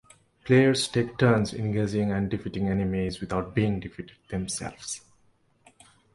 Players take turns engaging and defeating enemies without being defeated themselves.